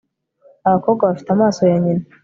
Abakobwa bafite amaso ya nyina